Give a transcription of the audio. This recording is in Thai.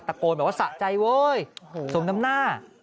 โกนแบบว่าสะใจเว้ยสมน้ำหน้า